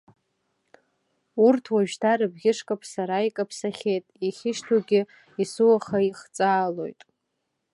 Урҭ уажәшьҭа рыбӷьы шкаԥсара икаԥсахьеит, иахьышьҭоугьы есуаха ихҵаалоит.